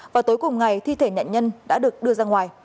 vào tối cùng ngày thi thể nạn nhân đã được đưa ra ngoài